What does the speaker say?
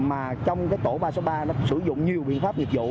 mà trong tổ ba trăm sáu mươi ba nó sử dụng nhiều biện pháp nhiệm vụ